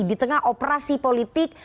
di tengah operasi politik